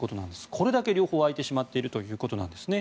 これだけ両方空いてしまっているということなんですね。